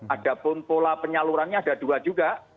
ada pun pola penyalurannya ada dua juga